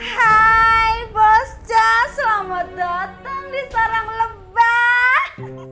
hai bos jos selamat datang di seram lebah